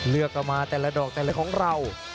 เลือกกันมาแต่ละดอกแต่ละของเรา